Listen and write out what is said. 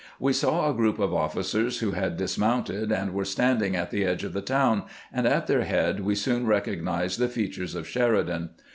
We saw a group of officers who had dis mounted and were standing at the edge of the town, and at their head we soon recognized the features of Sheri dan.